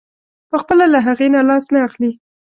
پخپله له هغې نه لاس نه اخلي.